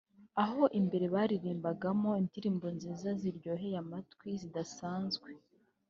aho imbere baririmbiragamo indirimbo nziza ziryoheye amatwi zidasanzwe